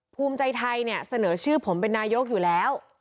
ภูมิใจไทยเนี่ยเสนอชื่อผมเป็นนายกอยู่แล้ว